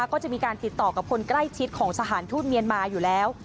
ก็จะมีการติดต่อกับคนใกล้ชิดของสถานทูตเมียนมาอยู่แล้ว